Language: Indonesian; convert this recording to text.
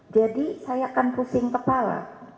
jadi saya akan pusing kepala